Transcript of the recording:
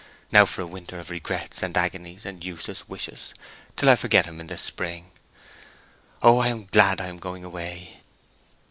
Now for a winter of regrets and agonies and useless wishes, till I forget him in the spring. Oh! I am glad I am going away."